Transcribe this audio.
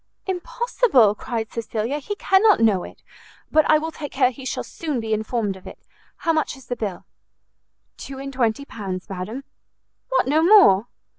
"Impossible!" cried Cecilia, "he cannot know it; but I will take care he shall soon be informed of it. How much is the bill?" "Two and twenty pounds, madam." "What, no more?"